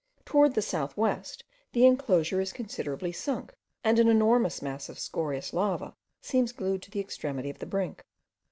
Towards the south west the enclosure is considerably sunk and an enormous mass of scorious lava seems glued to the extremity of the brink.